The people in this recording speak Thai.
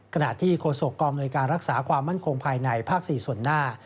ขณะที่โฆษกองอำนวยการรักษาความมั่นคงภายในภาค๔ส่วนหน้า